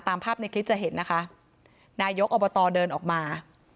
ตามภาพในคลิปจะเห็นนะคะนายกอบตเดินออกมา